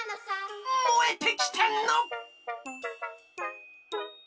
もえてきたの！